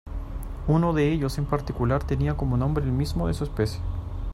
Uno de ellos en particular tenía como nombre el mismo de su especie.